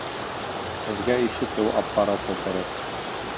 Һеҙгә ишетеү аппараты кәрәк